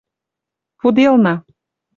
Пуделна